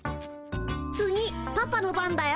次パパの番だよ。